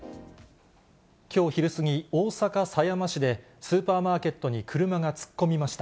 きょう昼過ぎ、大阪狭山市でスーパーマーケットに車が突っ込みました。